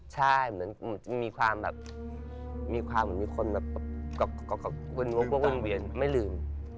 ใช่เหมือนมีความว่ามีคนกรงวกกว้นเวียนไม่ลืม